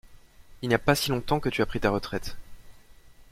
Il n’y a pas si longtemps que tu as pris ta retraite.